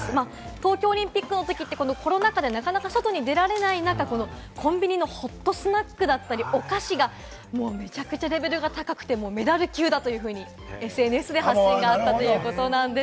東京オリンピックのときってコロナ禍でなかなか外に出られない中、コンビニのホットスナックだったり、お菓子がめちゃくちゃレベルが高くて、メダル級だというふうにＳＮＳで発信があったということなんです。